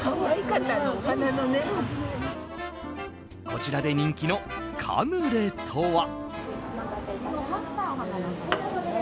こちらで人気のカヌレとは？